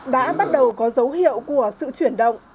đã bắt đầu có dấu hiệu của sự chuyển động